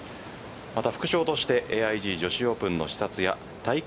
また副賞としてＡＩＧ女子オープンの視察や大会